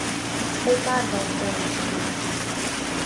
Ej pārbaudi televizoru!